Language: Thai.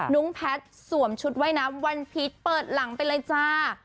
นุ้งแพทสสวมชุดว่านะวันพรีสเปิดหลังไปเลยจ้า